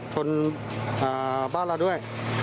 ชนบ้านเราด้วย